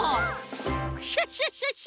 クシャシャシャ！